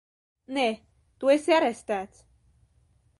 Nē! Tu esi arestēts!